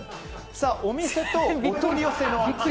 お店とお取り寄せの違い。